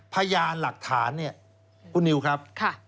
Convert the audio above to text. พยานหลักฐานเนี่ยคุณนิวครับ